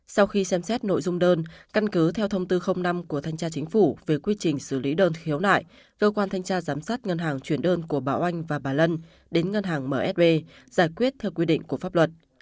sau khi xem xét nội dung đơn căn cứ theo thông tư năm của thanh tra chính phủ về quy trình xử lý đơn khiếu nại cơ quan thanh tra giám sát ngân hàng chuyển đơn của bảo oanh và bà lân đến ngân hàng msb giải quyết theo quy định của pháp luật